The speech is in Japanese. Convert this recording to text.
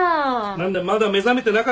何だまだ目覚めてなかったんだな。